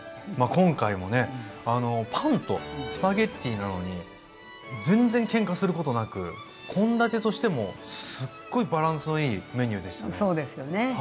今回もねあのパンとスパゲッティなのに全然けんかすることなく献立としてもすっごいバランスのいいメニューでしたね。